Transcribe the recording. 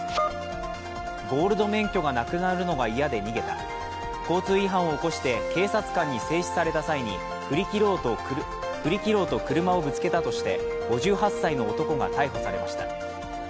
ゴールド免許がなくなるのが嫌で逃げた、交通違反を起こして警察官に制止された際に振り切ろうと車をぶつけたとして、５８歳の男が逮捕されました。